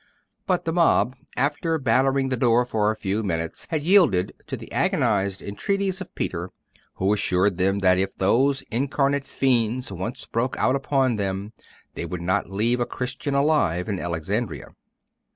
But the mob, after battering the door for a few minutes, had yielded to the agonised entreaties of Peter, who assured them that if those incarnate fiends once broke out upon them, they would not leave a Christian alive in Alexandria.